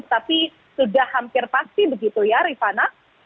tapi sudah hampir pasti begitu ya rifana